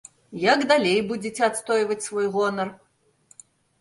Як далей будзеце адстойваць свой гонар?